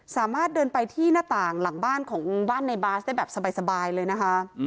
สามารถเดินไปที่หน้าต่างหลังบ้านของบ้านในบาสได้แบบสบายเลยนะคะ